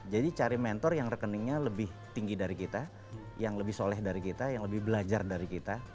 jadi cari mentor yang rekeningnya lebih tinggi dari kita yang lebih soleh dari kita yang lebih belajar dari kita